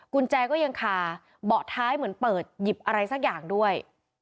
กุญแจก็ยังคาเบาะท้ายเหมือนเปิดหยิบอะไรสักอย่างด้วย